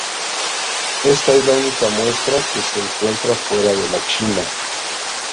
Esta es la única muestra que se encuentra fuera de la China.